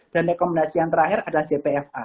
dan rekomendasi yang terakhir adalah jpfa